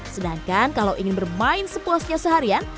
sedangkan kalau ingin bermain sepuasnya seharian